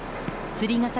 釣ヶ崎